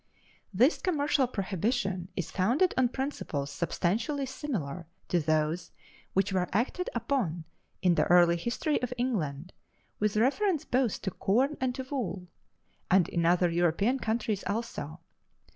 This commercial prohibition is founded on principles substantially similar to those which were acted upon in the early history of England, with reference both to corn and to wool, and in other European countries also.